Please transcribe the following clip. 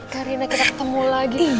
karina kita ketemu lagi